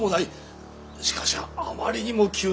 しかしあまりにも急な話で。